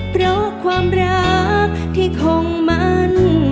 เพราะความรักที่คงมัน